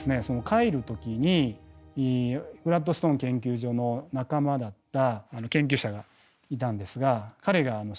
帰る時にグラッドストーン研究所の仲間だった研究者がいたんですが彼が伸弥今度